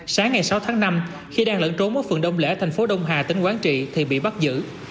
sáng ngày sáu tháng năm khi đang lẫn trốn ở phường đông lễ thành phố đông hà tỉnh quảng trị thì bị bắt giữ